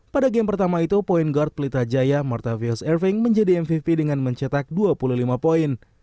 pada game pertama itu point guard pelita jaya martavious erving menjadi mvp dengan mencetak dua puluh lima poin